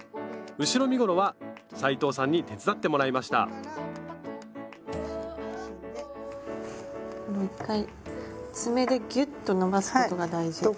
後ろ身ごろは斉藤さんに手伝ってもらいました１回爪でギュッと伸ばすことが大事。